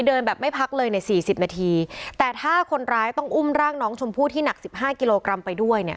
เดินแบบไม่พักเลยในสี่สิบนาทีแต่ถ้าคนร้ายต้องอุ้มร่างน้องชมพู่ที่หนักสิบห้ากิโลกรัมไปด้วยเนี่ย